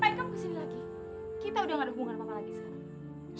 kita udah gak ada hubungan sama lagi sekarang